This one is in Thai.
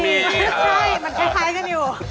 มันคล้ายกันอยู่